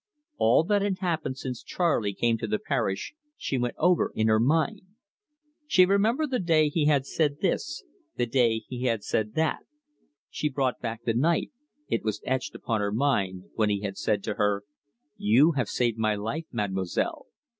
All that had happened since Charley came to the parish she went over in her mind. She remembered the day he had said this, the day he had said that; she brought back the night it was etched upon her mind! when he had said to her, "You have saved my life, Mademoiselle!"